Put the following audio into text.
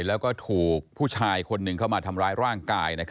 แล้วก็ถูกผู้ชายคนหนึ่งเข้ามาทำร้ายร่างกาย